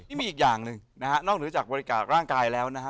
นี่มีอีกอย่างหนึ่งนะฮะนอกเหนือจากบริจาคร่างกายแล้วนะฮะ